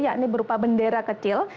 yakni berupa bendera kecil